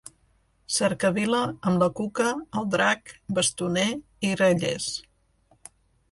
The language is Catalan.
Cercavila amb la Cuca, el drac, bastoner i grallers.